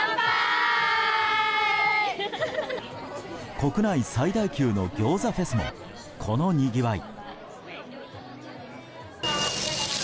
国内最大級の餃子フェスもこのにぎわい。